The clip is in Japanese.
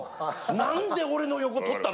何で俺の横取ったの？